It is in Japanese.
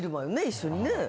一緒にね？